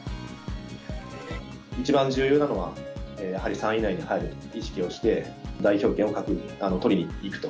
一番重要なのは、やはり３位以内に入る意識をして、代表権を取りにいくと。